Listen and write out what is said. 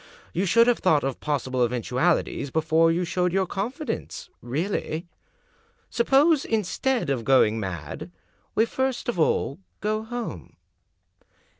You should have thought of pos sible eventualities before you showed your confidence — really. Suppose, instead of going mad, we first of all go home?"